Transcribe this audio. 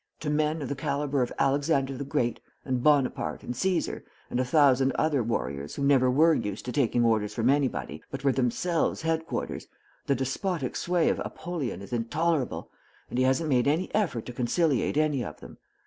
To men of the caliber of Alexander the Great and Bonaparte and Caesar, and a thousand other warriors who never were used to taking orders from anybody, but were themselves headquarters, the despotic sway of Apollyon is intolerable, and he hasn't made any effort to conciliate any of them.